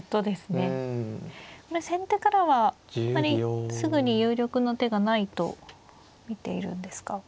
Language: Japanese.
これ先手からはあまりすぐに有力な手がないと見ているんですか。